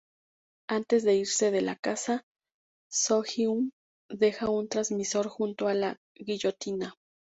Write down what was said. Antes de irse de la casa, Soo-hyun deja un transmisor junto a la guillotina.